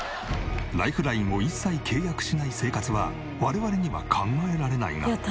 ライフラインを一切契約しない生活は我々には考えられないが。